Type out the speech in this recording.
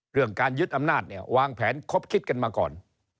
เรื่องการยึดอำนาจเนี่ยวางแผนครบคิดกันมาก่อน